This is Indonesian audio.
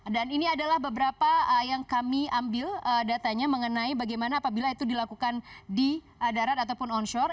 dan ini adalah beberapa yang kami ambil datanya mengenai bagaimana apabila itu dilakukan di darat ataupun onshore